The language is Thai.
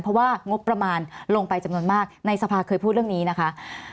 เพราะว่างบประมาณลงไปจำนวนมากในสภาเคยพูดเรื่องนี้นะคะ